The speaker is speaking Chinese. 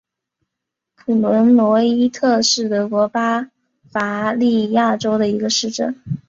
普伦罗伊特是德国巴伐利亚州的一个市镇。